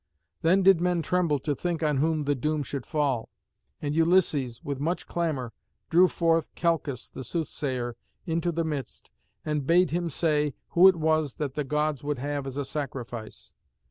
Then did men tremble to think on whom the doom should fall, and Ulysses, with much clamour, drew forth Calchas the soothsayer into the midst, and bade him say who it was that the Gods would have as a sacrifice.